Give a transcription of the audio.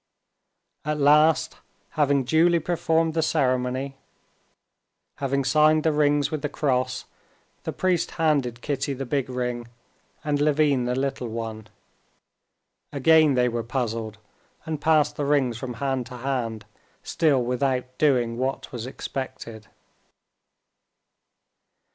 At last, having duly performed the ceremony, having signed the rings with the cross, the priest handed Kitty the big ring, and Levin the little one. Again they were puzzled, and passed the rings from hand to hand, still without doing what was expected.